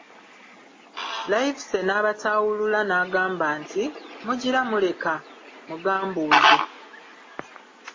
Livesey n'abatawulula n'agamba nti Mugira muleka—mugambuuze.